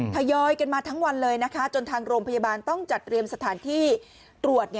ทยอยกันมาทั้งวันเลยนะคะจนทางโรงพยาบาลต้องจัดเตรียมสถานที่ตรวจ